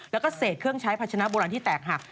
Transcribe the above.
แล้วก็เศษเครื่องใช้พัชนะโบราณที่แตกหัก